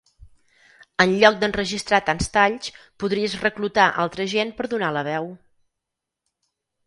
En lloc d'enregistrar tants talls, podries reclutar altra gent per donar la veu.